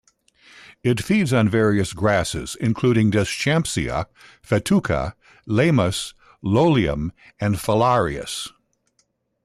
It feeds on various grasses including "Deschampsia", "Festuca", "Leymus", "Lolium" and "Phalaris".